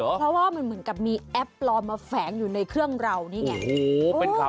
เพราะว่ามันเหมือนกับมีแอปปลอมมาแฝงอยู่ในเครื่องเรานี่ไง